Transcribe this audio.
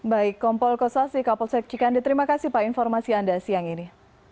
baik kompol kosasi kapol safe cikandi terima kasih pak informasi anda siang ini